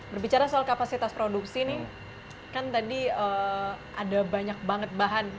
berbicara soal kapasitas produksi nih kan tadi ada banyak banget bahan